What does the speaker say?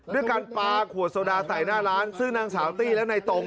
ด้วยการปาขวดโซดาใส่หน้าร้านซึ่งทางผู้ชมและตก